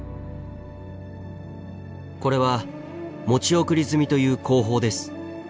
これは持ち送り積みという工法です。